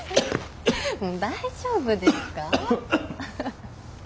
もう大丈夫ですか？